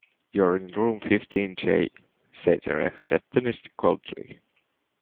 You're in room fifteen J, said the receptionist coldly.